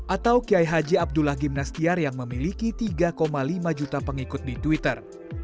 atau kiai haji abdullah gimnastiar yang memiliki tiga lima juta pengikut di twitter